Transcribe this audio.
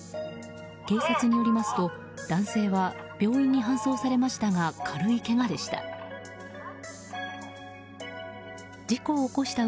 警察によりますと男性は病院に搬送されましたが軽いけがでした。